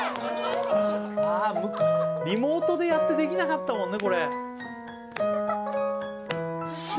リモートでやってできなかったもんね。